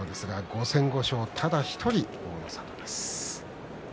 ５戦５勝ただ１人、大の里です。